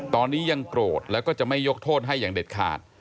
ตอนนี้ยังโกรธแล้วก็จะไม่ยกโทษให้อย่างเด็ดขาด